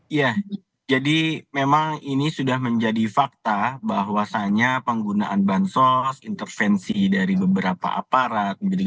iya jadi memang ini sudah menjadi fakta bahwasannya penggunaan bansos intervensi dari beberapa aparat